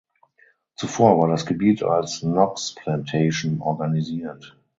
Zuvor war das Gebiet als Knox Plantation organisiert.